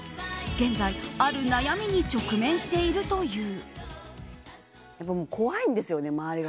現在、ある悩みに直面しているという。